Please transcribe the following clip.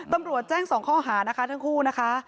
ตำรวจแจ้ง๒ข้อหานะคะทั้งคู่นะคะ